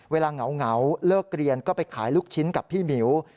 เหงาเลิกเรียนก็ไปขายลูกชิ้นกับพี่หมิว